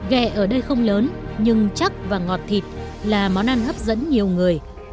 ghe ở đây không lớn nhưng chắc và ngọt thịt là món ăn hấp dẫn nhiều người